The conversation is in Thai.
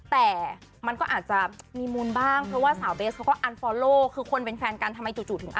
แต่มันก็อาจจะมีมูลบ้างเพราะว่าสาวเบสเขาก็อันฟอลโลคือคนเป็นแฟนกันทำไมจู่ถึง